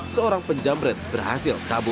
seorang penjamret berhasil kabur